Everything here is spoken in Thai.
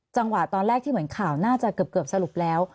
จังหวะตอนแรกที่เหมือนข่าวน่าจะเกือบสรุปแล้ว